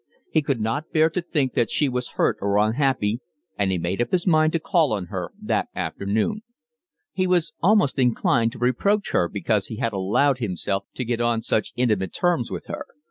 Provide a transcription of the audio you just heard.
He could not bear to think that she was hurt or unhappy, and he made up his mind to call on her that afternoon. He was almost inclined to reproach her because he had allowed himself to get on such intimate terms with her.